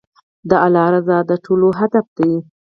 د الله رضا د ټولو هدف دی.